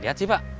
liat sih pak